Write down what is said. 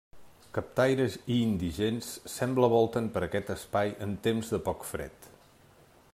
Captaires i indigents, sembla volten per aquest espai en temps de poc fred.